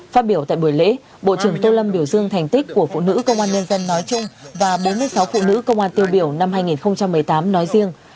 phát biểu tại buổi lễ bộ trưởng tô lâm biểu dương thành tích của phụ nữ công an nhân dân nói chung và bốn mươi sáu phụ nữ công an tiêu biểu năm hai nghìn một mươi tám nói riêng